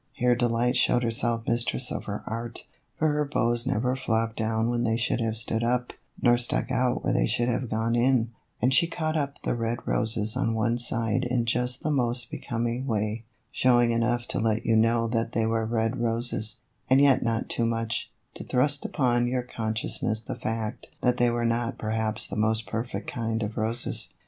Here Delight showed herself mis tress of her art, for her bows never flopped down when they should have stood up, nor stuck out where they should have gone in, and she caught up the red roses on one side in just the most be coming way, showing enough to let you know that they were red roses, and yet not too much, to thrust upon your consciousness the fact that they were not perhaps the most perfect kind of roses.